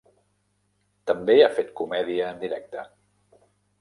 També ha fet comèdia en directe.